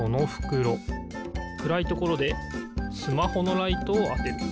くらいところでスマホのライトをあてる。